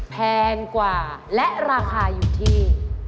แพงกว่าและราคาอยู่ที่